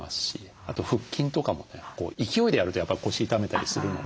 あと腹筋とかもね勢いでやるとやっぱり腰痛めたりするので。